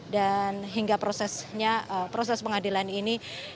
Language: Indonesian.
dan hingga prosesnya proses pengadilan ini